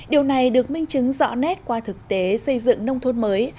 điều này được minh chứng rõ nét qua thực tế xây dựng nông thôn mới